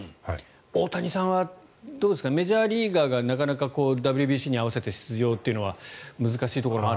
大谷さんはなかなかメジャーリーガーがＷＢＣに合わせて出場というのは難しいところも。